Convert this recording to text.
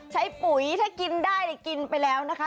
ใช้ปุ๋ยจะกินได้กินไปแล้วนะคะ